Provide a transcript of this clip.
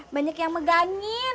banyak yang megangin